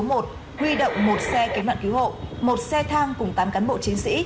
huy động một xe cứu nạn cứu hộ một xe thang cùng tám cán bộ chiến sĩ